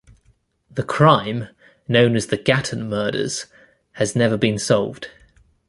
The crime, known as the Gatton murders, has never been solved.